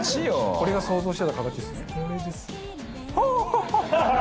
これが想像してた形ですね。